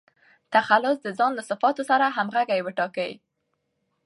تخلص د ځان له صفاتو سره همږغي وټاکئ.